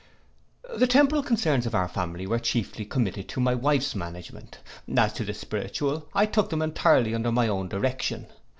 The temporal concerns of our family were chiefly committed to my wife's management, as to the spiritual I took them entirely under my own direction.